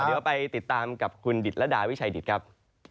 เดี๋ยวไปติดตามกับคุณดิตรดาวิชัยดิตครับ